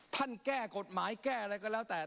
แก้กฎหมายแก้อะไรก็แล้วแต่